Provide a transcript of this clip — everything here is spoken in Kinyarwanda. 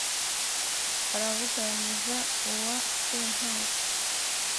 arabúganiriza uwa séntabyó